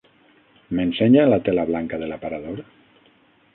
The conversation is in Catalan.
M'ensenya la tela blanca de l'aparador?